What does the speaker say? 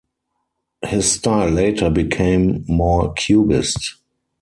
His style later became more Cubist.